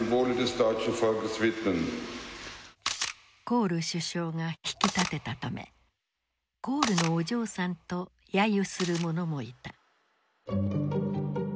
コール首相が引き立てたため「コールのお嬢さん」と揶揄する者もいた。